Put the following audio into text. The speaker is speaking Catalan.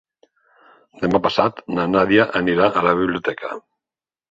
Demà passat na Nàdia anirà a la biblioteca.